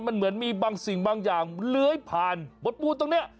มันเหมือนมีบางสิ่งบางอย่างเลื้อยผ่านบทบูตรงนี้